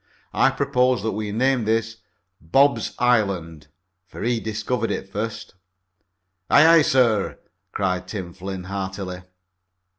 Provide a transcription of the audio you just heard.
I propose that we name this 'Bob's Island,' for he discovered it first." "Aye, aye, sir!" cried Tim Flynn heartily.